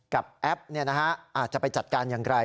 แอปอาจจะไปจัดการอย่างไร